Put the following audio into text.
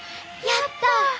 やった！